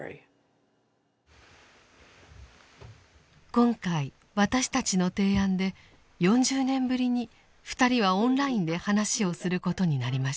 今回私たちの提案で４０年ぶりに２人はオンラインで話をすることになりました。